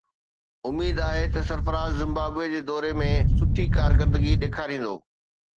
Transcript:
اميد آهي ته سرفراز زمبابوي جي دوري ۾ سٺي ڪارڪردگي ڏيکاريندو